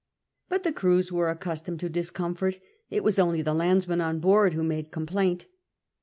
. but the crews were accustomed to discomfort ; it was only the landsmen on board who made complaint.